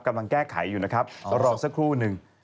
กำลังแก้ไขอยู่นะครับรอสักครู่นึง